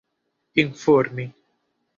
informi